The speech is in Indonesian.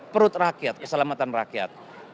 perut rakyat keselamatan rakyat